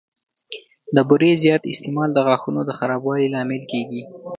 د بوري زیات استعمال د غاښونو د خرابوالي لامل کېږي.